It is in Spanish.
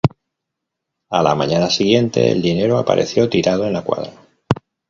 A la mañana siguiente, el dinero apareció tirado en la cuadra.